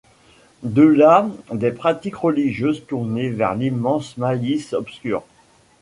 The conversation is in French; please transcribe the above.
De là des pratiques religieuses tournées vers l’immense malice obscure.